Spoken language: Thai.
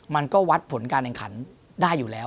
มันก็วัดผลการแข่งขันได้อยู่แล้ว